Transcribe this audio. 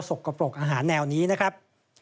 กระปรกอาหารแนวนี้นะครับ